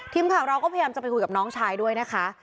ทีมข่าวเราก็พยายามจะไปคุยกับน้องชายด้วยนะคะ